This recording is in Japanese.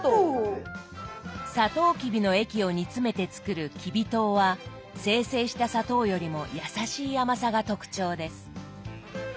サトウキビの液を煮詰めて作るきび糖は精製した砂糖よりもやさしい甘さが特徴です。